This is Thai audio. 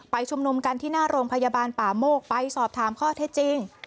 ชุมนุมกันที่หน้าโรงพยาบาลป่าโมกไปสอบถามข้อเท็จจริง